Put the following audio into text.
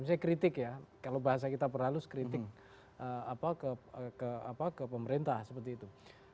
misalnya kritik ya kalau bahasa kita perhalus kritik ke pemerintah seperti itu